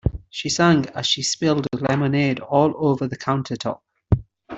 She sang as she spilled lemonade all over the countertop.